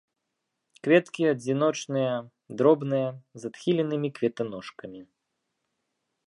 Кветкі адзіночныя, дробныя, з адхіленымі кветаножкамі.